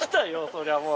そりゃもう。